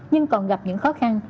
nhưng còn gặp những khó khăn